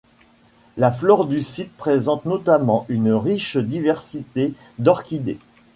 La flore du site présente notamment une riche diversité d'orchidées.